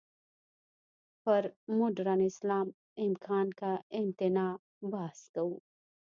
پر «مډرن اسلام، امکان که امتناع؟» بحث کوو.